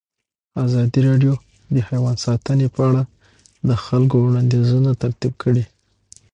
ازادي راډیو د حیوان ساتنه په اړه د خلکو وړاندیزونه ترتیب کړي.